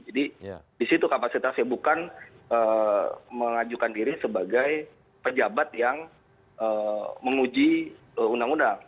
jadi disitu kapasitasnya bukan mengajukan diri sebagai pejabat yang menguji undang undang